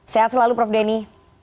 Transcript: sehat selalu prof dini